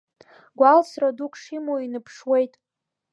Гәалсра дук шимоу иныԥшуеит.